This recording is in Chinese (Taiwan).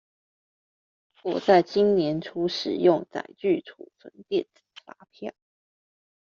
我在今年初使用載具儲存電子發票